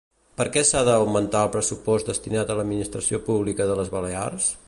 Per què s'ha d'augmentar el pressupost destinat a l'administració pública de les Balears?